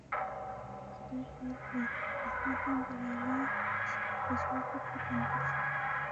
خدای خیر کړي، احمد هم د لیلا په زلفو کې بندي شو.